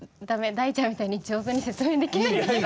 大ちゃんみたいに上手に説明できない。